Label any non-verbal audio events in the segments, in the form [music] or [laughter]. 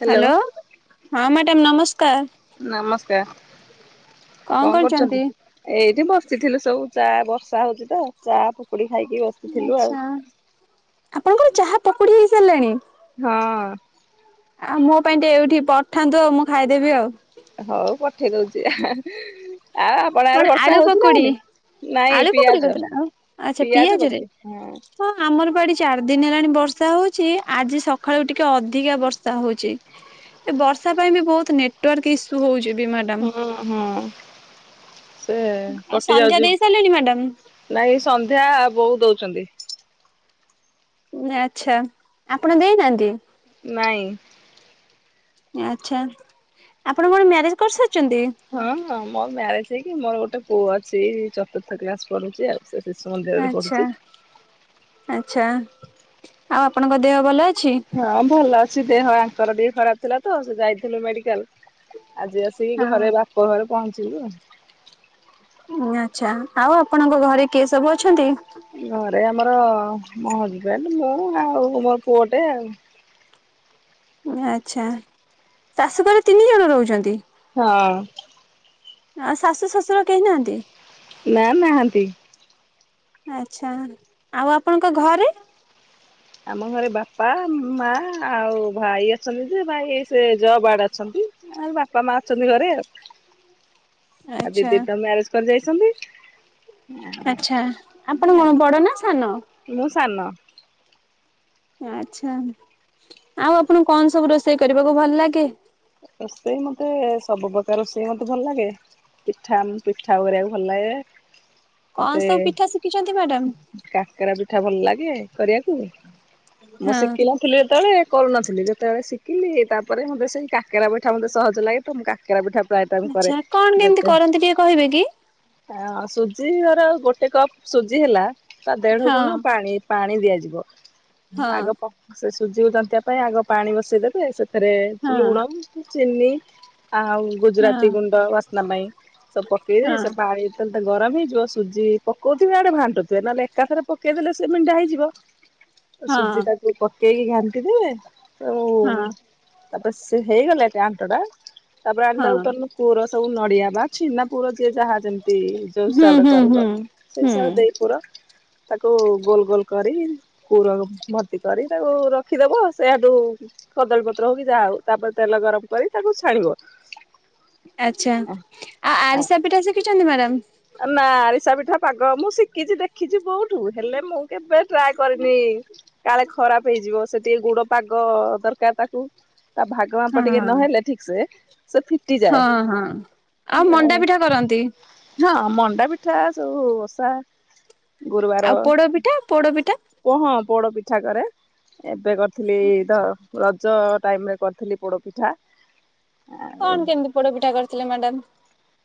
Hello hello ହଁ madam ନମସ୍କାର। ନମସ୍କାର କଣ କରୁଚନ୍ତି? ଏଇଠି ବସିଥିଲୁ ସବୁ ଚା ବର୍ଷା ହଉଛି ତ ଚା ପକୁଡି ଖାଇକି ବସ୍ ଆଛା ଆପଣଙ୍କର ଚାହା ପକୁଡି ହେଇସାରିଲାଣି? ହଁ। ଆଉ ମୋ ପାଇଁ ଟିକେ ଏଇଠି ପଠାନ୍ତୁ ଆଉ ମୁଁ ଖାଇଦେବି ଆଉ। ହଉ ପଠେଇ ଦଉଛି ଆଉ ଆପଣ କଣ ଆଡେ ବର୍ଷା ଆଳୁ ହଉଛି ନା ପକୁଡି ହଉନି? ଆଳୁ ନାଇଁ ପକୁଡି ପିଆଜ କରିଥିଲା ଆଉ ଆଚ୍ଛା ପିଆଜ ପିଆଜରେ ପକେଇ ହଁ। ଆମର ପା ଏଠି ଚାରିଦିନ ହେଲାଣି ବର୍ଷା ହଉଛି ଆଜି ସକାଳୁ ଟିକେ ଅଧିକା ବର୍ଷା ହୋଉଛି। ଏ ବର୍ଷା ପାଇଁ ବି ବହୁତ ନେଟୱାର୍କ ଇଶୁ ହୋଉଚି ବିମାର। ହଁ ହଁ ସେ ଆଉ ସନ୍ଧ୍ୟା କଟିଯାଉଛି। ଦେଇ ସାରିଲେଣି ମ୍ୟାଡାମ? ନାଇଁ ସନ୍ଧ୍ୟା ବୋଉ ଦୋଉଚନ୍ତି। ଆଚ୍ଛା ଆପଣ ଦେଇନାହାନ୍ତି? ନାଇଁ। ଆଚ୍ଛା ଆପଣ କଣ ମ୍ୟାରେଜ କରିସାରିଚନ୍ତି? ହଁ ହଁ ମୋ ମ୍ୟାରେଜ ହେଇକି ମୋର ଗୋଟେ ପୁଅ ଅଛି ଚତୁର୍ଥ କ୍ଲାସ ପଢୁଛି ଆଉ। ସେ ସେ ସ ଆଚ୍ଛା ଆଚ୍ଛା ଆଉ ଆପଣଙ୍କ ଦେହ ଭଲଅଛି? ହଁ ଭଲଅଛି ଦେହ ଆଙ୍କର ଟିକେ ଖରାପ ଥିଲା ତ ସେ ଯାଇଥିଲୁ ମେଡିକାଲ ଆଜି ଆ ସିକି ଘରେ ବାପଘରେ ପହଞ୍ଚିଲୁ ଆଃ। ଆଚ୍ଛା ଆଉ ଆପଣଙ୍କ ଘରେ କିଏ ସବୁ ଅଛନ୍ତି? ଘରେ ଆମର ମୋ ହଜବେଣ୍ଡ ମୁଁ ଆଉ ମୋର ପୁଅଟେ ଆଉ। ଆଚ୍ଛା ଶାଶୁଘରେ ତିନିଜଣ ରହୁଛନ୍ତି? ହଁ। ଆ ଶାଶୁ ଶ୍ୱଶୁର କେହି ନାହାନ୍ତି? ନା ନାହାନ୍ତି। ଆଚ୍ଛା ଆଉ ଆପଣଙ୍କ ଘରେ? ଆମ ଘରେ ବାପା ମା ଆଉ ଭାଇ ଅଛନ୍ତି ଯେ ଭାଇ ସେ ଜବ ଆଡେ ଅଛନ୍ତି। ଆଉ ବାପା ମା ଅଛନ୍ତି ଘରେ ଆଉ। ଆ ଆଚ୍ଛା ଦିଦି ତ ମ୍ୟାରେଜ କରି ଯାଇଛନ୍ତି। ଆଚ୍ଛା ଆପଣ କଣ ବଡ ନା ସାନ? ମୁଁ ସାନ। ଆଚ୍ଛା ଆଉ ଆପଣ କଣସବୁ ରୋଷେଇ କରିବାକୁ ଭଲ ଲାଗେ? ରୋଷେଇ ମତେ ସବୁ ପ୍ରକାର ରୋଷେଇ ମତେ ଭଲ ଲାଗେ। ପିଠାମ୍ ପିଠାକୁ କରିବାକୁ ଭଲଲାଗେ। କଣ ମତେ ସବୁ ପିଠା ଶିଖିଛନ୍ତି ମ୍ୟାଡାମ? କାକେରା ପିଠା ଭଲ ଲାଗେ କରିବାକୁ। ମୁଁ ହଁ ଶିକିନଥିଲି ଯେତେବେଳେ କରୁନଥିଲି ଯେତେବେଳେ ଶିକିଲି ତାପରେ ମତେ ସେଇ କା କେରା ପିଠା ମତେ ସହଜ ଲାଗେ ତ ମୁଁ କାକେରା ପିଠା ପ୍ରାୟତ ମୁଁ କରେ ଆଚ୍ଛା କଣ କେମିତି ଯେତେ। କରନ୍ତି ଟିକେ କହିବେ କି? ଆ ସୁଜି ଧର ଗୋଟେ କପ୍ ସୁଜି ହେଲା ତା ହଁ ଦେଢଗୁଣ ପାଣି। ପାଣି ଦିଆଯିବ ହଁ ଆଗ ପ ସେ ସୁଜିକୁ ଜନ୍ତିବା ପାଇଁ ଆଗ ପାଣି ବସେଇଦେବେ ସେ ଥେରେ ହଁ ଲୁଣ ଚିନି ଆଉ। ହଁ ଗୁଜୁରାତି ଗୁଣ୍ଡ ବାସ୍ନା ପାଇଁ ସବୁ ପକେଇ ହଁ ସେ ପାଣି ଯେତବଳେ ତ ଗରମ ହେଇଯିବ ସୁଜି। ପକଉଥିବେ ଏଆଡେ ଘାଣ୍ଟୁଥିବେ, ନହେଲେ ଏକାଥରେ ପକେଇଦେଲେ ସେ ମିଣ୍ଡା ହେଇଯିବ। ହଁ ସୁଜିଟା ପକେଇକି ଘାଣ୍ଟିଦେବେ। ଆଉ ହଁ ତାପରେ ସେ ହେଇଗଲା ଟେ ଆଣ୍ଟଟା। ତାପରେ ହଁ ଆଣ୍ଟାକୁ ତନକୁ ପୁର ସବୁ ନଡିଆ ବାଛି, ନା ପୁର ଯିଏ ଯାହା ଯେମିତି ଯେଉ ହୁଁ ହିସାବରେ ହୁଁ କରିବ, ହୁଁ ସେଇ ହୁଁ। ହିସାବରେ ଦେଇ ପୁର ତାକୁ ଗୋଲ ଗୋଲ କରି, ପୁର ଭର୍ତ୍ତି କରି ତାକୁ ରଖିଦବ। ସେଆଠୁ କଦଳୀପତ୍ର ହଉ କିି ଯାହା ହଉ, ତାପରେ ତେଲ ଗରମ କରି ତାକୁ ଛାଣିବ। ଆଛା। ଆ ଆରିସା ପିଠା ଶିଖିଛନ୍ତି ମାଡ଼ାମ୍? ଆ ନା, ଆରିସା ପିଠା ପାଗ ମୁଁ ଶିଖିଛି ଦେଖିଛି ବହୁତ ହେଲେ ମୁଁ କେବେ ଟ୍ରାଏ କରିନି। କାଳେ ଖରାପ ହେଇଯିବ ସେ ଟିକେ ଗୁଡ ପାଗ ଦରକାର ତାକୁ। ତା ଭାଗ ମାପ ହଁ ଟିକେ ନହେଲେ ଠିକ ସେ, ସେ ହଁ ଫିଟିଯାଏ ହଁ। ଆଉ ମଣ୍ଡା ପିଠା କରନ୍ତି? ହଁ ମଣ୍ଡା ପିଠା, ସବୁ ଓଷା ଗୁରୁବାର। ଆଉ ପୋଡ ପିଠା ପୋଡ ପିଠା? ପୋହଁ ପୋଡ ପିଠା କରେ। ଏବେ କର୍ ଥିଲି ଦ ରଜ ଟାଇମ ରେ କରିଥିଲି ପୋଡ ପିଠା। ଆଉ କଣ କେମିତି ପୋଡପିଠା କରିଥିଲେ ମାଡାମ?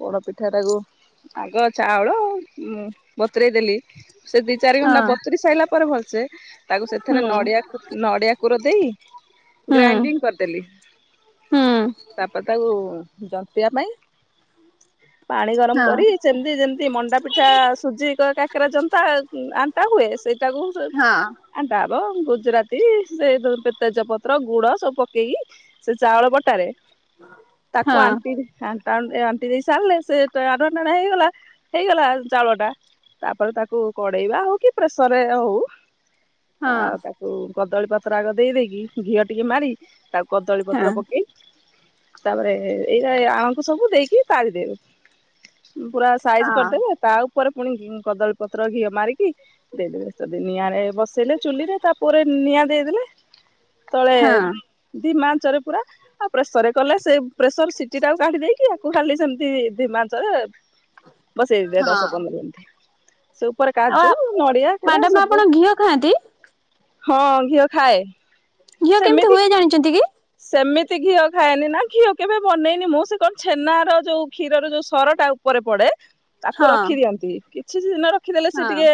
ପୋଡପିଠା ଟାକୁ, ଆଗ ଚାଉଳ ଅ ଉଁ ବତୁରେଇ ଦେଲି। ସେ ଦି ଚାରି ଘଣ୍ଟା ହଁ ବତୁରି ସାଇଲା ପରେ ଭଲସେ ତାକୁ ସେଥିରେ ହୁଁ ନଡିଆ ନଡିଆ କୁର ଦେଇ ହୁଁ ଗ୍ରାଇଣ୍ଡିଙ୍ଗ କରିଦେଲି। ହୁଁ ତାପରେ ତାକୁ ଜନ୍ତିବା ପାଇଁ ପାଣି ଗରମ ହଁ କରି ସେମତି ଯେମିତି ମଣ୍ଡା ପିଠା ସୁଜି, କାକରା ଜନ୍ତା ଆଣ୍ଟା ହୁଏ, ସେ ତାକୁ ହଁ ଆଣ୍ଟା ହବ ଗୁଜୁରାତି ସେ ତେଜପତ୍ର, ଗୁଡ ସବୁ ପକେଇକି ସେ ଚାଉଳ ବଟାରେ, ତାକୁ ହଁ ଆଣ୍ଟିକି ଆଣ୍ଟା ଅ ଏଅ ଣ୍ଟି ଦେଇସାରିଲେ, ସେ [unintelligible] ହେଇଗଲା ହେଇଗଲା ଚାଉଳ ଟା। ତାପରେ ତାକୁ କଡେଇବା ହଉ କି ପ୍ରେସରରେ ହଉ ହଁ ଆଉ ତାକୁ କଦଳୀ ପତ୍ର ଆଗ ଦେଇ ଦେଇକି, ଘିଅ ଟିକେ ମାରି, ତାକୁ କଦଳୀ ହଁ ପତ୍ର ପକେଇ ତାପରେ ଏଇ ଏ ଆଣକୁ ସବୁ ଦେଇକି ତାରିଦେବେ। ପୁରା ସାଇଜ୍ କରିଦେବେ। ତା ଉପରେ ପୁଣି କଦଳୀ ପତ୍ର ଘିଅ ମାରିକି ଦେଇଦେବେ। ସେଦି ନିଆଁରେ ବସେଇଲେ ଚୁଲିରେ ତାପରେ ନିଆଁ ଦେଇଦେଲେ। ତଳେ ହଁ। ଧିମ ଆଞ୍ଚରେ ପୁରା ଆଉ ପ୍ରେସର ରେ କଲେ, ସେ ପ୍ରେସର ସିଟି ଟାକୁ କାଢି ଦେଇେଇକି ଆକୁ ଖାଲି ସେମିତି ଧିମାଞ୍ଚରେ ବସେଇ ଦିଏ ହଁ। ଦଶ ପନ୍ଦର ମିନଟି। ସେ ଉପରେ କାଜୁ, ଆଉ ନଡିଆ କୁରା ମ୍ୟାଡାମ ସବୁ, ଆପଣ ଘିଅ ଖାଆନ୍ତି ହଁ ଘିଅ ଖାଏ। ଘିଅ କେମିତି ସେମିତି ହୁଏ ଜାଣିଛନ୍ତି କି? ସେମିତି ଘିଅ ଖାଏନି ନା, ଘିଅ କେବେ ବନେଇନି ମୁଁ। ସେ କଣ ଛେନାର, ଯଉ କ୍ଷୀରର ଯଉ ସରଟା ଉପରେ ପଡ଼େ ତାକୁ ହଁ ରଖି ଦିଅନ୍ତି। କିଛି ଦିନ ରଖିଦେଲେ, ସେ ହଁ। ଟିକେ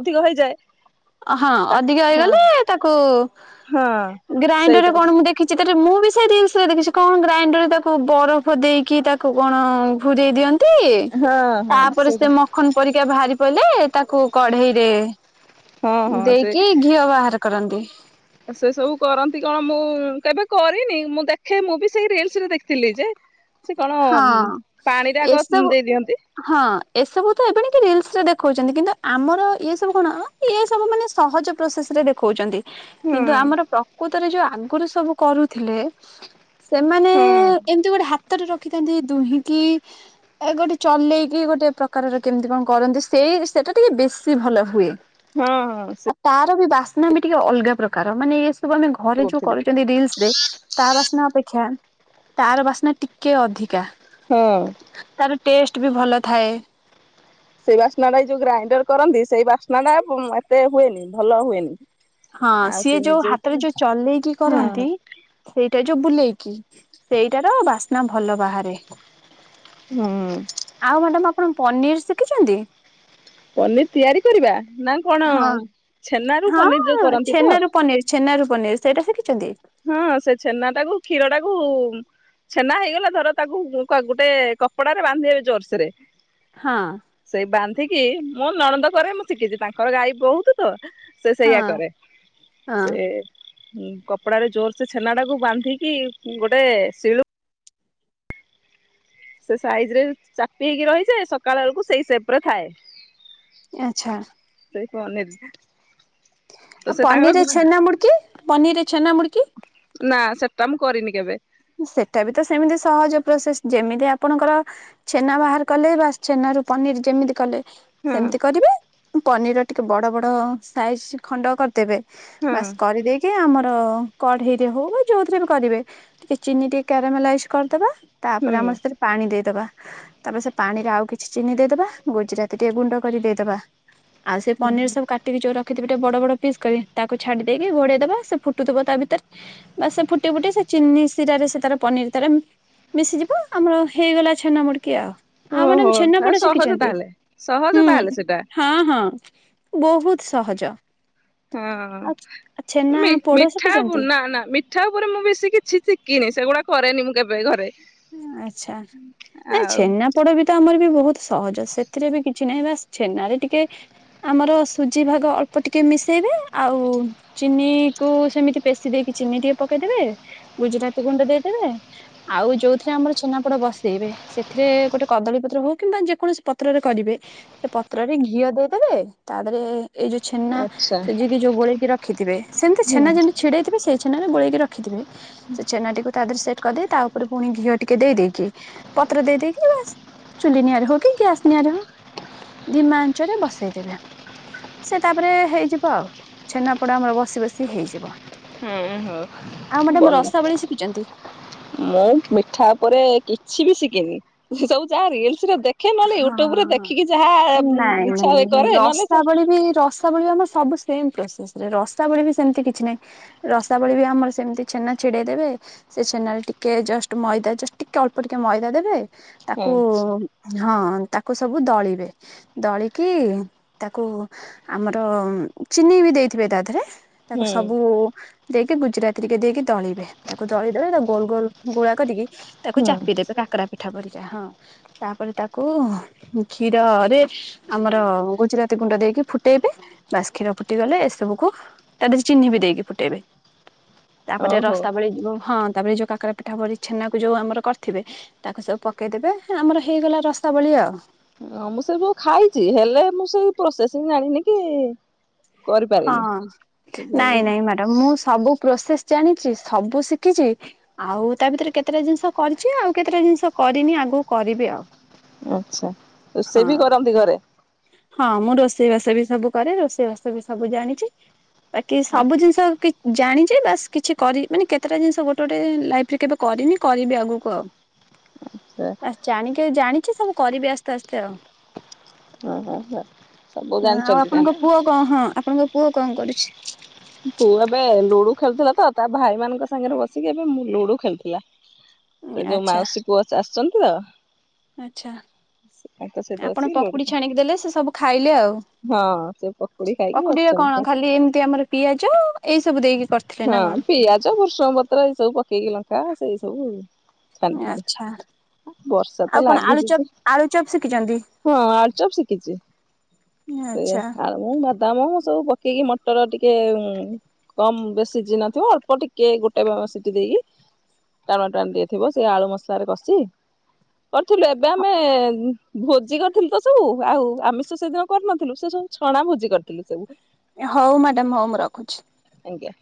ଅଧିକ ହେଇଯାଏ। ହଁ ତା ଅଧିକ ହଁ ହେଇଗଲେ ତାକୁ ହଁ ଗ୍ରାଇଣ୍ଡରରେ ସେଇଟା କଣ ମୁ ଦେ ଖିଛି ତାଟରେ ମୁଁ ବି ସେଇ ରିଲ୍ସ ରେ ଦେଖିଛି, କଣ ଗ୍ରାଇଣ୍ଡର ରେ ତାକୁ ବରଫ ଦେଇକି ତାକୁ କଣ ଭୁରେଇ ଦିଅନ ତି ହଁ ହଁ ତାପରେ ସେଇଟା ସେ ମଖନ ପରିକା ବାହାରି ପଡ଼ିଲେ, ତାକୁ କଢେଇରେ ହଁ ହଁ ସେ ଦେଇକି ଘିଅ ବାହାର କରନ୍ତି। ସେ ସବୁ କରନ୍ତି କଣ ମୁଁ କେବେ କରିନି, ମୁଁ ଦେଖେ ମୁଁ ବି ସେଇ ରିଲସ ରେ ଦେଖିଥିଲି ଯେ। ସେ କଣ ହଁ ପାଣିରାଗ ଏସବୁ ଦେଇ ଦିଅନ୍ତି? ହଁ ଏସବୁ ତ ଏବେ ଣି କି ରିଲସ ରେ ଦେଖଉଛନ୍ତି, କିନ୍ତୁ ଆମର ଇଏ ସବୁ କଣ ଏ ସବୁ ମାନେ ସହଜ ପ୍ରୋସେସ ରେ ଦେଖଉଛନ୍ତି। ହୁଁ କିନ୍ତୁ ଆମର ପ୍ରକୃତରେ ଯୋଉ ଆଗରୁ ସବୁ କରୁଥିଲେ ସେମାନେ ହଁ ଏମିତି ଗୋଟେ ହାତରେ ରଖିଥାନ୍ତି ଦୁହିଁକି ଏ ଗୋଟେ ଚଲେଇକି ଗୋଟେ ପ୍ରକାରର କେମତି କଣ କରନ୍ତି ସେଇ ସେଟା ଟିକେ ବେଶୀ ଭଲ ହୁଏ। ହଁ ହଁ ସେ ଆଉ ତାର ବି ବାସ୍ନା ବି ଟିକେ ଅଲଗା ପ୍ରକାର ମାନେ ଏ ସବୁ ଆମେ ଘରେ ଯୋଉ କରୁଥିଲେ କରୁଛନ୍ତି ରିଲସ ରେ ତା ବାସ୍ନା ଅପେକ୍ଷା ତାର ବାସ୍ନା ଟିକେ ଅଧିକା। ହୁଁ। ତାର ଟେଷ୍ଟ ବି ଭଲ ଥାଏ। ସେଇ ବାସ୍ନାଟା ଯୋଉ ଗ୍ରାଇଣ୍ଡର କରନ୍ତି ସେଇ ବାସ୍ନା ଟା ଏତେ ହୁଏନି ଭଲ ହୁଏନି। ହଁ ଆଉ ସେ ସିଏ ଯୋଉ ନିଜେ ହାତରେ ଯୋଉ ଚଲେଇକି ହଁ କରନ୍ତି ସେଇଟା ଯୋଉ ବୁଲେଇକି ସେଇଟାର ବାସ୍ନା ଭଲ ବାହାରେ। ହୁଁ। ଆଉ ମ୍ୟାଡ଼ାମ୍ ଆପଣ ପନିର ଶିଖିଛନ୍ତି? ପନିର ତିଆରି କରିବା ନା କଣ ହଁ ଛେନା ରୁ ହଁ ପନିର ଯୋଉ କରନ୍ତି ତ? ଛେନାରୁ ପନିର ଛେନାରୁ ପନିର୍ ସେଇଟା ଶିଖିଛନ୍ତି? ହୁଁ ସେ ଛେନା ଟାକୁ କ୍ଷୀର ଟାକୁ ଛେନା ହେଇଗଲା ଧର ତାକୁ ଗୋଟେ କପଡାରେ ବାନ୍ଧି ଦେଲେ ଜୋରସେରେ। ହଁ। ସେଇ ବାନ୍ଧିକି ମୁଁ ନଣନ୍ଦ କରେ ମୁଁ ଶିଖିଛି ତାଙ୍କର ଗାଈ ବହୁତ୍ ତ ସେ ହଁ ସେଇଆ କରେ ହଁ ସେ କପ୍ କପଡାରେ ଜୋର ସେ ଛେନାଟାକୁ ବାନ୍ଧିକି ଗୋଟେ ଶିଳକୁ ସେ ସାଇଜ ରେ ଚାପି ହେଇକି ରହିଯାଏ ସକାଳ ବେଳକୁ ସେଇ ସେପ୍ ରେ ଥାଏ। ଆଚ୍ଛା। ସେଇ ପନିର ଆଉ ପନିରରେ ଛେନା ମୁଡକି ପନିରରେ ଛେନା ମୁଡ କିି ନା ସେଟା ମୁଁ କରିନି କେବେ। ସେଟା ବି ତ ସେମିତି ସହଜ ପ୍ରୋସେସ ଯେମିତି ଆପଣଙ୍କର ଛେନା ବାହାର କଲେ ବାସ୍ ଛେନାରୁ ପନିର ଯେମିତି କଲେ? ହଁ ସେମିତି କରିବେ ପନିର୍ ଟିକେ ବଡ ବଡ ସାଇଜ ଖଣ୍ଡ କରିଦେବେ। ହଁ ବାସ କରିଦେଇକି ଆମର କଢେଇରେ ହଉ ଯୋଉଥିରେ ବି କରିବେ। ଟିକେ ଚିନି ଟିକେ କ୍ୟାରାମେଲାଇଜ କରିଦବା ତାପରେ ହୁଁ ଆମର ସେଥିରେ ପାଣି ଦେଇଦବା। ତାପରେ, ସେ ପାଣିରେ ଆଉ କିଛି ଚିନି ଦେଇଦବା ଗୁଜୁରାତି ଟିକେ ଗୁଣ୍ଡ କରି ଦେଇଦବା। ଆଉ ସେ ପନିର ସବୁ କା ସେତିକି ଯୋଉ ରଖିଥିବ ଟିକେ ବଡବଡ ପିସ କରି ତାକୁ ଛାଡି ଦେଇକି ଘୋଡେଇଦବା ସେ ଫୁଟୁଥିବ ତା ଭିତରେ ବା ସେ ଫୁଟି ଫୁଟି ସେ ଚିନି ଶିରାରେ ସେ ତାର ପନିର୍ ତାର ମିଶିଯିବ ଆମର ହେଇଗଲା ଛେନା ମୁଡିକି ଆଉ ଆଉ ମାଡ଼ାମ୍ ଓହୋ ଛେନାପୋଡ ସହଜ ଶିଖିଛନ୍ତି? ତାହେଲେ ସହଜ ହୁଁ। ତାହେଲେ ସେଟା ହଁ ହଁ ବହୁତ୍ ସହଜ। ହଁ ଆଉ ଛେନା ମି ପୋଡ ମିଠା ଶିଖିଛନ୍ତି? ବନା ନା ମି ମିିଠା ଉପରେ ମୁଁ ବେଶୀ କିଛି ଶିଖିନି, ସେଗୁଡା କରେନି ମୁଁ କେବେ ଘରେ। ଆଚ୍ଛା ଏଇ ଆଉ ଛେନା ପୋଡ ବି ତ ଆମର ବି ବହୁତ ସହଜ ସେଥିରେ ବି କିଛି ନାହିଁ। ବାସ ଛେନାରେ ଟିକେ ଆମର ସୁଜି ଭାଗ ଅଳ୍ପ ଟିକିଏ ମିଶାଇବେ ଆଉ ଚିନି କୁ ସେମିତି ପେଶି ଦେଇକି ଚିନି ଟିକେ ପକେଇଦେବେ, ଗୁଜୁରାତି ଗୁଣ୍ଡ ଦେଇଦେବେ ଆଉ ଯୋଉ ସେଥିରେ ଆମର ଛେନାପୋଡ ବସେଇବେ ସେଥିରେ ଗୋଟେ କଦଳୀ ପତ୍ର ହଉ କିମ୍ବା ଯେକୌଣସି ପତ୍ରରେ କରିବେ ସେ ପତ୍ରରେ ଘିଅ ଦେଇଦେବେ ତାପରେ, ଏଇ ଯୋଉ ଛେନା ଆଚ୍ଛା ସୁଜି ବି ଯୋଉ ଗୋଳେଇକି ରଖିଥିବେ, ସେମତି ହଁ ଛେନା ଯେମିତି ଛିଡେଇଥିବେ ସେଇ ଛେନାରେ ଗୋଳେଇକି ରଖିଥିବେ। ସେ ଛେନାଟିକୁ ତା ଦେହରେ ସେଟ କରିଦେଇ, ତା ଉପରେ ପୁଣି ଘିଅ ଟିକେ ଦେଇ ଦେଇଦେଇକି ପତ୍ର ଦେଇଦେଇକି ବାସ ଚୁଲି ନିଆଁରେ ହଉ କି ଗ୍ୟାସ ନିଆଁରେ ହଉ ଦିମାଞ୍ଚରେ ବସେଇଦବେ। ସେ ତାପରେ ହେଇଯିବ ଛେନାପୋଡ଼ ଆମର ବସି ବସି ହେଇଯିବ। ହୁଁ ଆଉ ହଉ ମ୍ୟାଡାମ ବନ୍ଦ ରସାବଳି ଶିଖିଛନ୍ତି? ମୁଁ ମିଠା ଉପରେ କିଛି ବି ଶିଖିନି, ସବୁ ଯାହା ରିଲ୍ସରେ ଦେ ହଁ ହଁ ନାଇଁ ଇଚ୍ଛା ହୁଏ ନାଇଁ କରେ ନହେଲେ ସେ ରସାବଳୀ ବି ରସାବଳି ଆମ ସବୁ ସେମ ପ୍ରୋସେସରେ ରସାବଳି ବି ସେମିତି କିଛି ନାହିଁ। ରସାବଳିରେ ଆମର ସେମିତି ଛେନା ଛିଡେଇ ଦେବେ ସେ ଛେନାରେ ଟିକେ ଜଷ୍ଟ ମଇଦା ଟିକେ ଅଳ୍ପ ଟିକେ ମଇଦା ଦେବେ ତାକୁ ଆଚ୍ଛା ହଁ ତାକୁ ସବୁ ଦଳିବେ। ଦଳିକି ତାକୁ ଆମର ଚିନି ବି ଦେଇଥିବେ ତାଥରେ ତାକୁ ହୁଁ ସବୁ ଦେଇକି ଗୁଜୁରାତି ଟିକେ ଦେଇକି ଦଳିବେ। ତାକୁ ଦଳିଦେବେ ତାକୁ ଗୋଲ ଗୋଲ ଗୋଳା କରିକି, ତାକୁ ହୁଁ ଚାପି ଦେବେ କାକରା ପିଠା ପରିକା। ହଁ ତାପରେ ତାକୁ କ୍ଷୀରରେ ଆମର ଗୁଜୁରାତି ଗୁଣ୍ଡ ଦେଇକି ଫୁଟେଇବେ ବାସ କ୍ଷୀର ଫୁଟିଗଲେ ସେ ସବୁ କୁ ତାଦେହେ ଚିନି ବି ଦେଇକି ଫୁଟେଇବେ, ତାପରେ ଓହୋ। ରସାବଳୀ ହଁ ତାପରେ ଯୋଉ କା କାକରା ପିଠା ପରି ଛେନାକୁ ଯୋଉ ଆମର କରିଥିବେ, ତାକୁ ସବୁ ପକେଇଦେବେ ଆମର ହେଇଗଲା ରସାବଳୀ ଆଉ। ହଁ ମୁଁ ସେ ଯୋଉ ଖାଇଛି। ହେଲେ ମୁଁ ସେଇ ପ୍ରସେଶିଂ ଜାଣିନି କି ହଁ କରିପାରିନି। ନାଇଁ ନାଇଁ ମ୍ୟାଡାମ ମୁଁ ସବୁ ପ୍ରୋସେସ ଜାଣିଛି ସବୁ ଶିଖିଛି ଆଉ ତା ଭିତରେ କେତେଟା ଜିନିଷ କରିଛି ଆଉ କେତେଟା ଜିନିଷ କରିନି ଆଗକୁ କରିବି ଆଉ। ଆଚ୍ଛା ହଁ ରୋଷେଇ ବି କରନ୍ତି ଘରେ? ହଁ ମୁଁ ରୋଷେଇ ବାସ ବି ସବୁ କରେ, ରୋଷେଇ ବାସ ବି ସବୁ ଜାଣିଛି, ବାକି ସବୁ ଜିନିଷ କି ଜାଣିଛି ବାସ କିଛି କରି ମାନେ କେତେଟା ଜିନିଷ ଗୋଟେ ଗୋଟେ ଲାଇଫ ରେ କେବେ କରିନି, କରିବି ଆଗକୁ ଆଉ। ଆଚ୍ଛା ବାସ ଜାଣିକି ଜାଣିଛି ସବୁ କରିବି ଆସ୍ତେ ଆସ୍ତେ ଆଉ। ହଁ ହଁ ହଁ ସବୁ ଜାଣିଛନ୍ତି ତାହେଲେ। ହଁ ହଁ ଆପଣଙ୍କ ପୁଅ କଣ କରୁଛି? ପୁଅ ଏବେ ଲୁଡୁ ଖେଳୁଥିଲା ତ ତା ଭାଇ ମାନଙ୍କ ସାଙ୍ଗରେ ବସିକି ଏବେ ଲୁଡୁ ଖେଳୁଥିଲା। ସେ ଯୋଉ ଆଚ୍ଛା ମାଉସୀ ପୁଅ ଆସିଛନ୍ତି ତ ଆଚ୍ଛା। ତାଙ୍କ ସହିତ ବସି ଆପଣ ଲୋଡି ପକୁଡ଼ି ଛାଣିକି ଦେଲେ ସେ ସବୁ ଖାଇଲେ ଆଉ। ହଁ ସେ ପକୁଡି ଖାଇକି ପଖଡିରେ ବସିଛନ୍ତି କଣ ଖାଲି ଏମିତି ଆମର ପିଆଜ ଏଇ ସବୁ ଦେଇକି କରି ହଁ ପିଆଜ, ଭୃସଙ୍ଗ ପତ୍ର ଏଇ ସବୁ ପକେଇକି ଲଙ୍କା ସେଇ ସବୁ ଆଉ। ଆଚ୍ଛା। ତ ଆଉ କଣ ଲାଗିଛି ଯେ ଆଳୁଚପ ଆଳୁଚପ ଶିଖିଛନ୍ତି। ହଁ ଆଳୁଚପ ଶିଖିଛି ଆଚ୍ଛା। ମୁ ବାଦାମ ସବୁ ପକେଇକି ମଟର ଟିକେ କମ ବେଶ ସିଝି ନଥିବ ଅଳ୍ପ ଟିକେ ଗୋଟେ ସିଟି ଦେଇକି ଟାଣ ଟାଣି ଦିଏ ଥିବ। ସିଏ ଆଳୁ ମସଲାରେ କଷି କରିଥିଲୁ, ଏବେ ଆମେ ଭୋଜି କରିଥିଲୁ ତ ସବୁ ଆଉ ଆମିଷ ସେଦିନ କରିନଥିଲୁ ସେ ସବୁ ଛଣା ଭୋଜି କରିଥିଲୁ ସବୁ। ହଉ ମ୍ୟାଡ଼ାାମ ହଉ ମୁଁ ରଖୁଛି। ଆଜ୍ଞା।